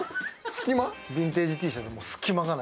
ビンテージＴシャツは隙間がない。